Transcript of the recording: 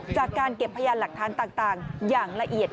จากการเก็บพยานหลักฐานต่างอย่างละเอียด